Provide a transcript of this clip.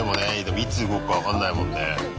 いつ動くか分かんないもんね。